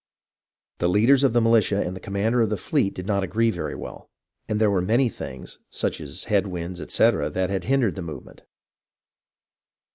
The leaders of the militia and the commander of the fleet did not agree very well, and there were many things, such as head winds, etc., that had hindered the movement.